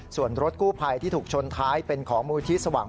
ส่วนรถกู้ภัยที่ถูกชนท้ายเป็นของมูลที่สว่าง